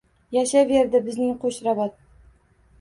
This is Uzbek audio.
Yashayverdi bizning Qo‘shrabot.